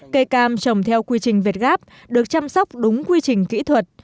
cây cam trồng theo quy trình việt gáp được chăm sóc đúng quy trình kỹ thuật